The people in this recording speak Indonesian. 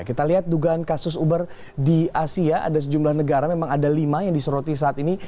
kita lihat dugaan kasus uber di asia ada sejumlah negara memang ada lima yang disoroti saat ini